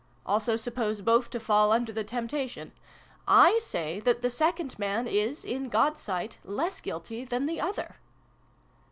Also suppose both to fall under the temptation 1 say that the second man is, in God's sight, less guilty than the other."